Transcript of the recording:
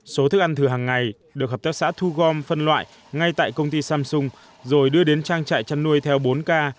số thức ăn thừa hàng ngày được hợp tác xã thu gom phân loại ngay tại công ty samsung rồi đưa đến trang trại chăn nuôi theo bốn k